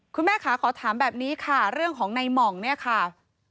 คุณแม่ค่ะขอถามแบบนี้ค่ะเรื่องของในหม่องเนี่ยค่ะ